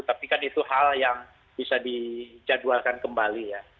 tapi kan itu hal yang bisa dijadwalkan kembali ya